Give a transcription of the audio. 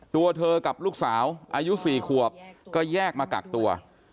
ตัวเธอกับลูกสาวอายุ๔ขวบก็แยกมากักตัว